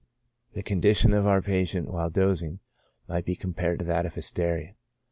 The condition of our patient while dozing might be compared to that of hysteria.